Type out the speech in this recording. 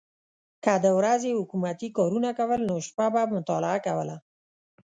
که د ورځې یې حکومتي کارونه کول نو شپه به مطالعه کوله.